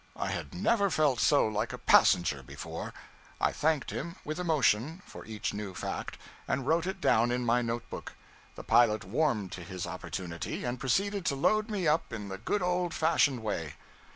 I had never felt so like a passenger before. I thanked him, with emotion, for each new fact, and wrote it down in my note book. The pilot warmed to his opportunity, and proceeded to load me up in the good old fashioned way.